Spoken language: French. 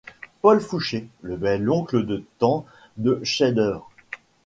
Paul Foucher, le bel-oncle de tant de chefs-d’œuvre !